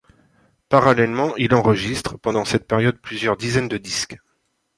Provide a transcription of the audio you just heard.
Parallèlement, il enregistre, pendant cette période plusieurs dizaines de disques.